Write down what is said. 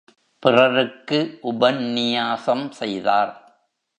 பிறருக்கு உபந்நியாசம் செய்தார்.